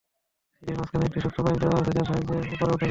সিঁড়ির মাঝখানে একটি শক্ত পাইপ দেওয়া আছে, যার সাহায্যে ওপরে ওঠা যায়।